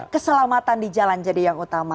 keselamatan di jalan jadi yang utama